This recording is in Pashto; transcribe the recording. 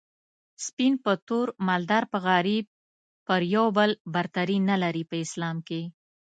سپين په تور مالدار په غريب پر يو بل برتري نلري په اسلام کي